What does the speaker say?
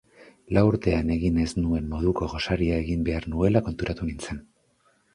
Lau urtean egin ez nuen moduko gosaria egin behar nuela konturatu nintzen.